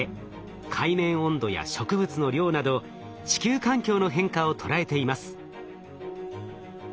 海面温度や植物の量など地球環境の変化を捉えています。